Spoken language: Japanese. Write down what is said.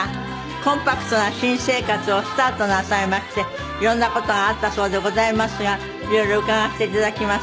コンパクトな新生活をスタートなさいましていろんな事があったそうでございますがいろいろ伺わせていただきます。